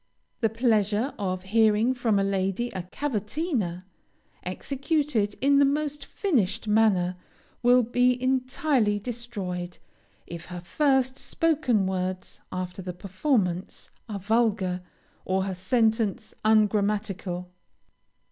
The pleasure of hearing from a lady a cavatina executed in the most finished manner, will be entirely destroyed, if her first spoken words after the performance are vulgar, or her sentence ungrammatical.